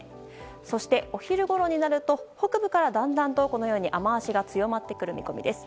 そしてお昼ごろになると北部から雨脚が強まってくる見込みです。